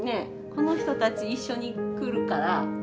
この人たち一緒に来るから。